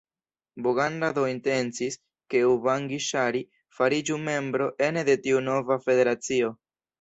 Boganda do intencis, ke Ubangi-Ŝari fariĝu membro ene de tiu nova federacio.